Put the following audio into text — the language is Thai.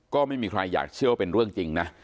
ก็ไม่มีใครอยากเชื่อว่าเป็นเรื่องจริงนะ